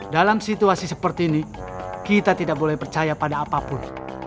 dalam situasi seperti ini kita tidak boleh percaya pada apapun